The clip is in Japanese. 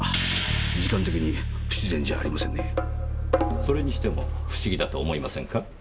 それにしても不思議だと思いませんか？